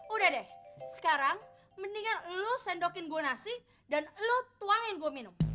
udah deh sekarang mendingan lu sendokin gue nasi dan lo tuangin gue minum